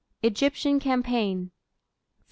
Egyptian campaign. 1799.